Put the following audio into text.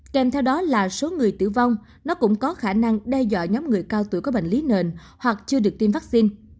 kèm theo đó là số người tử vong nó cũng có khả năng đe dọa nhóm người cao tuổi có bệnh lý nền hoặc chưa được tiêm vaccine